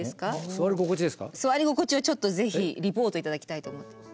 座り心地をちょっとぜひリポート頂きたいと思って。